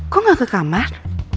kok gak ke kamar